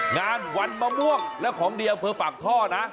งานวันมะม่วงและของดีอำเภอปากท่อนะ